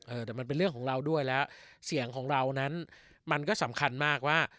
แต่มันเป็นเรื่องของเราด้วยแล้วเสียงของเรานั้นมันก็สำคัญมากว่า